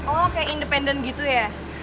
oh kayak independen gitu ya